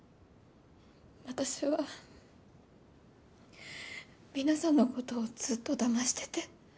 私は皆さんのことをずっと騙してて。